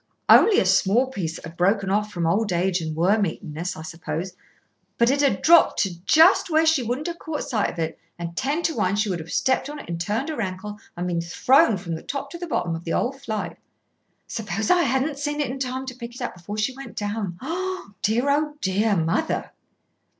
"Only a small piece that had broken off from old age and worm eatenness, I suppose, but it had dropped just where she wouldn't have caught sight of it, and ten to one would have stepped on it and turned her ankle and been thrown from the top to the bottom of the whole flight. Suppose I hadn't seen it in time to pick it up before she went down. Oh, dear! Oh, dear! Mother!"